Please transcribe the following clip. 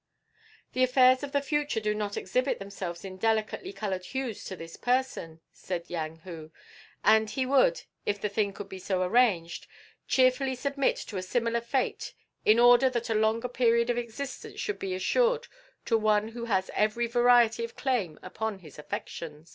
"The affairs of the future do not exhibit themselves in delicately coloured hues to this person," said Yang Hu; "and he would, if the thing could be so arranged, cheerfully submit to a similar fate in order that a longer period of existence should be assured to one who has every variety of claim upon his affection."